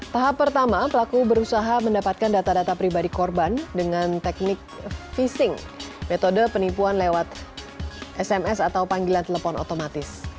tahap pertama pelaku berusaha mendapatkan data data pribadi korban dengan teknik phishing metode penipuan lewat sms atau panggilan telepon otomatis